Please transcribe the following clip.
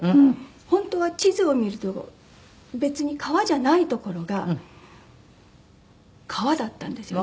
本当は地図を見ると別に川じゃない所が川だったんですよね。